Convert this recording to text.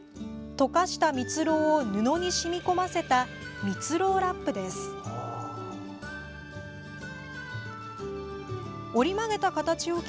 溶かしたミツロウを布にしみこませたミツロウラップです。